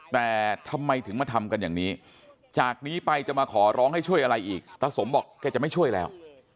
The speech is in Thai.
แต่ทำไมถึงมาทำกันอย่างนี้จากนี้ไปจะมาขอร้องให้ช่วยอะไรอีกตาสมบอกแกจะไม่ช่วยแล้ว